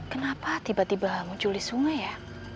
kenapa tiba tiba muncul di sungai ya